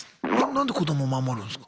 何で子どもを守るんすか？